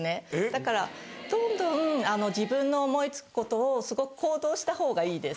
だからどんどん自分の思いつく事を行動したほうがいいです。